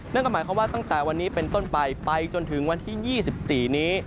นั่นก็หมายความว่าตั้งแต่วันนี้เป็นต้นไปไปจนถึงวันที่๒๔นี้